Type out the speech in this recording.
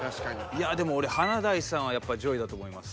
いやでも俺華大さんはやっぱり上位だと思います。